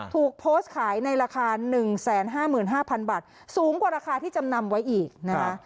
ถูกโพสต์ขายในราคาหนึ่งแสนห้าหมื่นห้าพันบาทสูงกว่าราคาที่จำนำไว้อีกนะคะ